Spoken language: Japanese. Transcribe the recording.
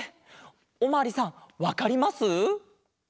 おまわりさんわかります？